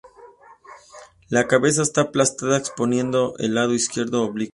La cabeza está aplastada, exponiendo el lado izquierdo oblicuo.